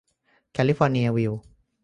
แคลิฟอร์เนียวิลล์